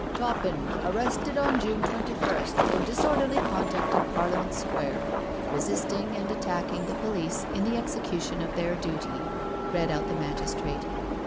"Toppin, arrested on June 21st, for disorderly con duct in Parliament Square — resisting and attacking the police in the execution of their duty," read out the magistrate.